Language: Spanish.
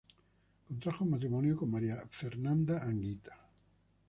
Contrajo matrimonio con María Fernanda Anguita.